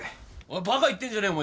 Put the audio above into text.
おいバカ言ってんじゃねえ！